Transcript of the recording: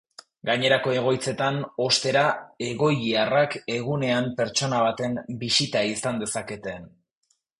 Gainerako egoitzetan, ostera, egoiliarrek egunean pertsona baten bisita izan dezakete.